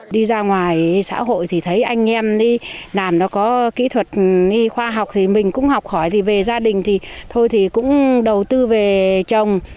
đi ra ngoài xã hội thì thấy anh em làm nó có kỹ thuật khoa học thì mình cũng học hỏi thì về gia đình thì thôi thì cũng đầu tư về chồng